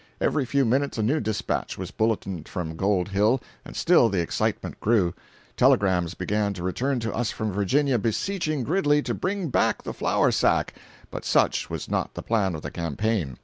Every few minutes a new dispatch was bulletined from Gold Hill, and still the excitement grew. Telegrams began to return to us from Virginia beseeching Gridley to bring back the flour sack; but such was not the plan of the campaign.